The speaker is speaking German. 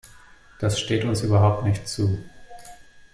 Das steht uns überhaupt nicht zu.